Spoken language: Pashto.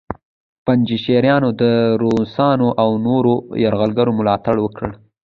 پنجشیریانو د روسانو او نورو یرغلګرو ملاتړ وکړ